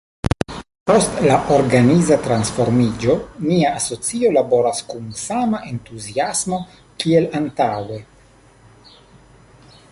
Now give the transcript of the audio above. Post la organiza transformiĝo nia asocio laboras kun sama entuziasmo kiel antaŭe.